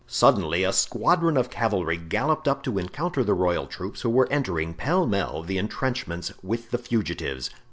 Suddenly a squadron of cavalry galloped up to encounter the royal troops, who were entering, pele mele, the intrenchments with the fugitives.